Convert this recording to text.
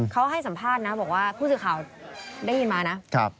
เขาให้สัมภาษณ์นะบอกว่าผู้สื่อข่าวได้ยินมานะ